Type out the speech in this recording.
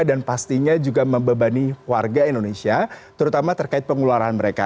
dan pastinya juga membebani warga indonesia terutama terkait pengeluaran mereka